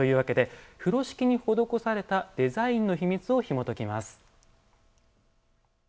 風呂敷に施されたデザインの秘密をひもときます。